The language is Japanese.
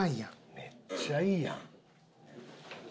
めっちゃいいやん。